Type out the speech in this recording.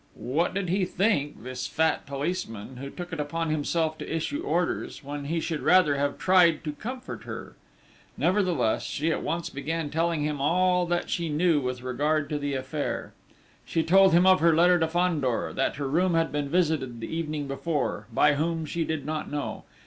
What did he think, this fat policeman, who took it upon himself to issue orders, when he should rather have tried to comfort her! Nevertheless, she at once began telling him all that she knew with regard to the affair. She told him of her letter to Fandor: that her room had been visited the evening before: by whom she did not know